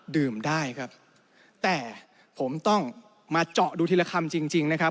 ดื่มได้ครับแต่ผมต้องมาเจาะดูทีละคำจริงจริงนะครับ